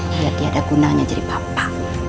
biar dia ada gunanya jadi papa